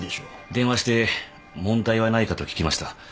電話して問題はないかと聞きました。